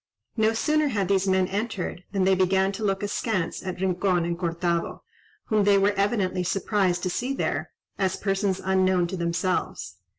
No sooner had these men entered, than they began to look askance at Rincon and Cortado, whom they were evidently surprised to see there, as persons unknown to themselves.